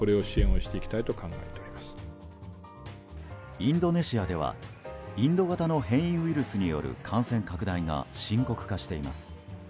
インドネシアではインド型の変異ウイルスによる感染拡大が深刻化しています。